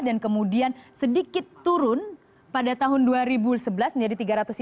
dan kemudian sedikit turun pada tahun dua ribu sebelas menjadi tiga ratus lima puluh satu